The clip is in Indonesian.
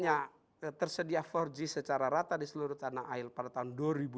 empat g nya tersedia empat g secara rata di seluruh tanah air pada tahun dua ribu dua puluh dua